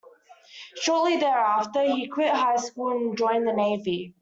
Shortly thereafter, he quit high school and joined the navy.